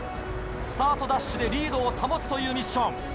スタートダッシュでリードを保つというミッション。